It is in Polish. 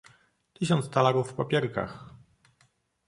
"Tysiąc talarów w papierkach!"